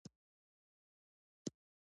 افغانستان د سلیمان غر یو ښه کوربه دی.